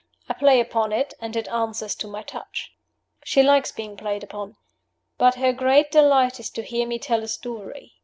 I play upon it and it answers to my touch. She likes being played upon. But her great delight is to hear me tell a story.